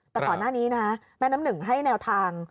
แต่ก่อนหน้านี้นะแม่น้ำหนึ่งให้แนวทาง